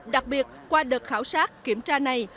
đặc biệt qua đợt khảo sát kiểm tra này